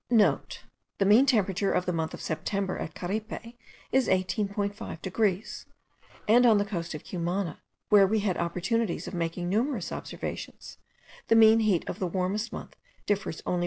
(* The mean temperature of the month of September at Caripe is 18.5 degrees; and on the coast of Cumana, where we had opportunities of making numerous observations, the mean heat of the warmest months differs only 1.